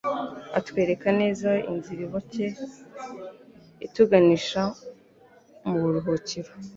Atwereka neza inzira iboncye ituganisha mu buruhukiro.